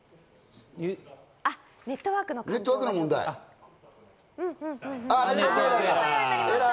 ネットワークの問題ですか。